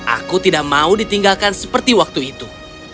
aku tidak mau ditinggalkan seperti waktu itu